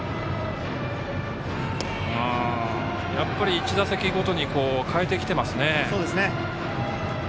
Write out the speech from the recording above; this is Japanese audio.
１打席ごとに変えてきていますね。